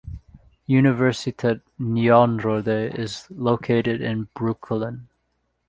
Universiteit Nyenrode is located in Breukelen.